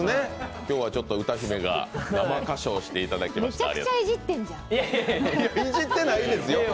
今日はちょっと歌姫が生歌唱していただきましたけど。